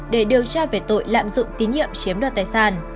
để điều tra về tội lạm dụng tín nhiệm chiếm đoạt tài sản